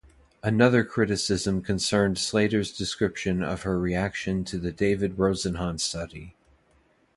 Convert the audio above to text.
Another criticism concerned Slater's description of her reaction to the David Rosenhan study.